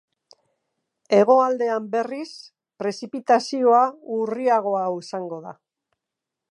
Hegoaldean, berriz, prezipitazioa urriagoa izango da.